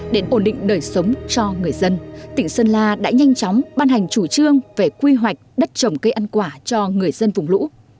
để ổn định đời sống cho người dân tỉnh sơn la đã nhanh chóng ban hành chủ trương về quy hoạch đất trồng cây ăn quả cho người dân vùng lũ